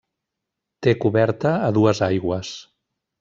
Té coberta a dues aigües.